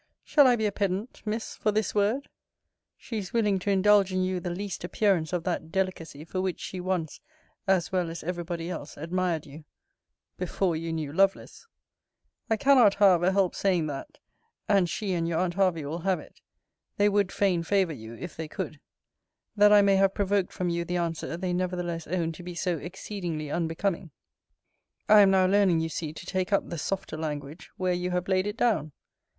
Shall I be a pedant, Miss, for this word? She is willing to indulge in you the least appearance of that delicacy for which she once, as well as every body else, admired you before you knew Lovelace; I cannot, however, help saying that: and she, and your aunt Hervey, will have it [they would fain favour you, if they could] that I may have provoked from you the answer they nevertheless own to be so exceedingly unbecoming. I am now learning, you see, to take up the softer language, where you have laid it down.